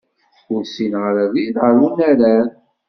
Ur ssineɣ ara abrid ɣer unarar.